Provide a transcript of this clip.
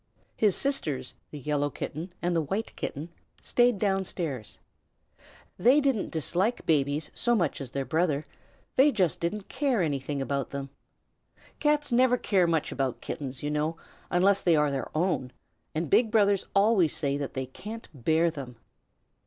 His sisters, the Yellow Kitten and the White Kitten, stayed downstairs. They didn't dislike babies so much as their brother. They just didn't care anything about them. Cats never care much about Kittens, you know, unless they are their own, and big brothers always say that they can't bear them.